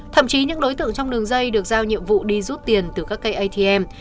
thậm chí những đối tượng trong đường dây được giao nhiệm vụ đi rút tiền từ các cây atm